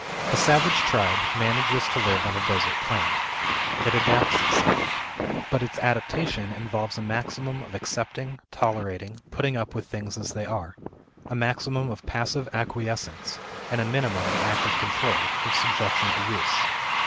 A savage tribe manages to live on a desert plain. It adapts itself. But its adaptation involves a maximum of accepting, tolerating, putting up with things as they are, a maximum of passive acquiescence, and a minimum of active control, of subjection to use.